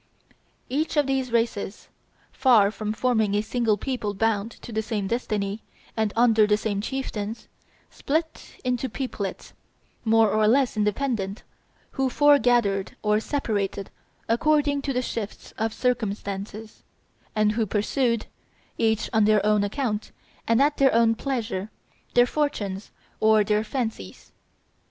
Each of these races, far from forming a single people bound to the same destiny and under the same chieftains, split into peoplets, more or less independent, who foregathered or separated according to the shifts of circumstances, and who pursued, each on their own account and at their own pleasure, their fortunes or their fancies.